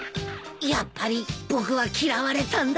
やっぱり僕は嫌われたんだ。